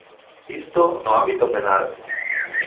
Isto no ámbito penal.